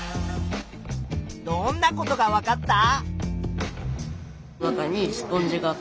どんなことがわかった？